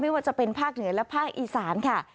ว่าจะเป็นภาคเหนือและภาคอีสานค่ะ